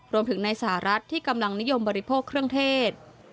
ในสหรัฐที่กำลังนิยมบริโภคเครื่องเทศ